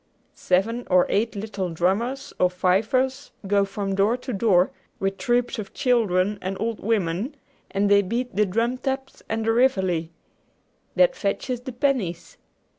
Seven or eight little drummers, or fifers, go from door to door, with troops of children and old women, and they beat the drum taps and the reveille. That fetches the pennies.